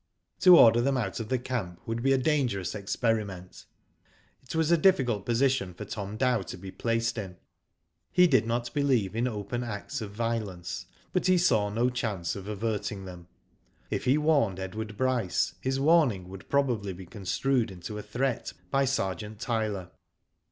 To order them out of the camp would be a dangerous experiment. It was a difficult position for Tom Dow to be placed in. He did not believe in open acts of violence, but he saw no chance of averting them. If he warned Edward Bryce, his warning would probably be construed into a threat by Sergeant Tyler.